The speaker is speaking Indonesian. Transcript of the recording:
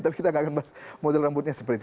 tapi kita gak akan bahas model rambutnya seperti itu